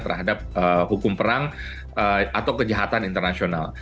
terhadap hukum perang atau kejahatan internasional